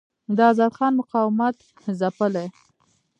د آزاد خان مقاومت ځپلی.